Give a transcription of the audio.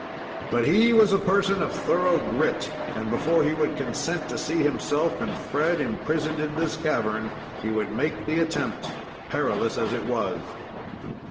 But he was a person of thorough grit, and before he would consent to see himself and Fred imprisoned in this cavern, he would make the attempt, perilous as it was.